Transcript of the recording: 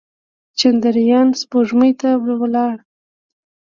چندریان سپوږمۍ ته لاړ.